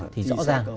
thì rõ ràng